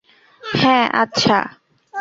হ্যাঁ, আচ্ছা।